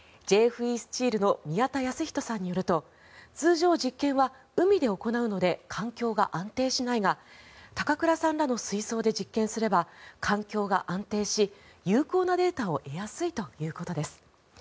ＪＦＥスチールの宮田康人さんによると通常、実験は海で行うので環境が安定しないが高倉さんらの水槽で実験すれば環境が安定し有効なデータを得やすいということです。